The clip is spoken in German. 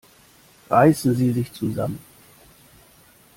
Reißen Sie sich zusammen!